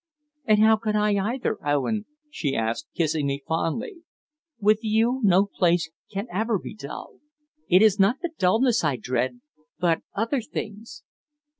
"And how could I either, Owen?" she asked, kissing me fondly. "With you, no place can ever be dull. It is not the dulness I dread, but other things."